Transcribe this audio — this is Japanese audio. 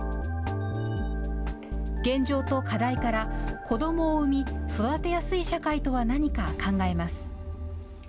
現状と課題から、子どもを産み育てやすい社会とは何か考えます。